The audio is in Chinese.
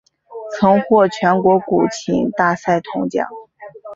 曾获全国古琴大赛铜奖。